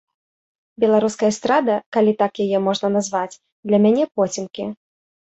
Беларуская эстрада, калі так яе можна назваць, для мяне поцемкі.